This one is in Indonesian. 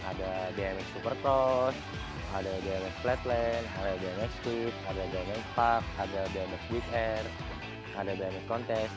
ada bmx supercross ada bmx flatland ada bmx skid ada bmx park ada bmx big air ada bmx contest